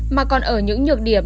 mà còn ở những nhược điểm